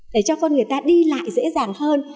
để cho con người ta đi lại dễ dàng hơn